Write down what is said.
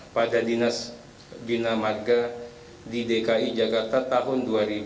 pada dinas bina marga di dki jakarta tahun dua ribu dua puluh